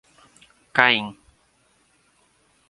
Caém